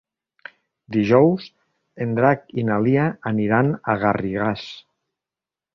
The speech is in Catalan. Dijous en Drac i na Lia aniran a Garrigàs.